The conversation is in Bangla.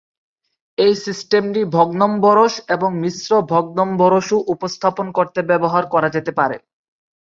এই সিস্টেমটি ভগ্নম্বরশ এবং মিশ্র ভগ্নম্বরশও উপস্থাপন করতে ব্যবহার করা যেতে পারে।